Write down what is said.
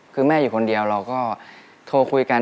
คือแม่อยู่คนเดียวเราก็โทรคุยกัน